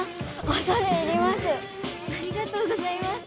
ありがとうございます。